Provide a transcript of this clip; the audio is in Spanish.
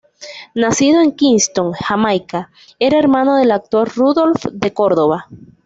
Nacido en Kingston, Jamaica, era hermano del actor Rudolph de Cordova.